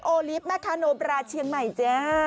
โอลีฟแมทคาโนบราเชียงใหม่จ๊ะ